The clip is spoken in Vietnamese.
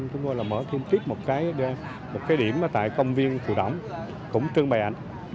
chúng tôi là mở thêm tiếp một cái điểm tại công viên phù động cũng trưng bày ảnh